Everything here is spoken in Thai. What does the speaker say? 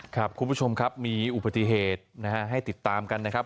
คุณผู้ชมครับมีอุบัติเหตุนะฮะให้ติดตามกันนะครับ